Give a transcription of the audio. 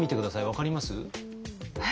分かります？え？